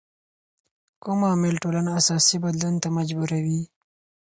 کوم عامل ټولنه اساسي بدلون ته مجبوروي؟